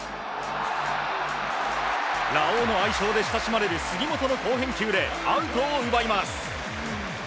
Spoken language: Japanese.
ラオウの愛称で親しまれる杉本の好返球でアウトを奪います。